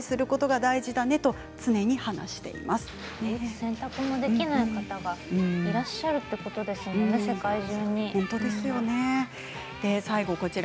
選択もできない方がいらっしゃるということですものね、世界中に。